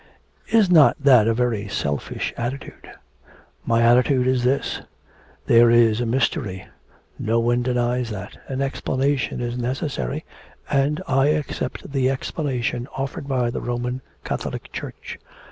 'Is not that a very selfish attitude?' 'My attitude is this. There is a mystery. No one denies that. An explanation is necessary, and I accept the explanation offered by the Roman Catholic Church.